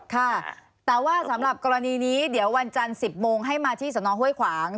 ค่ะแต่ว่าสำหรับกรณีนี้เดี๋ยววันจันทร์๑๐โมงให้มาที่สนห้วยขวาง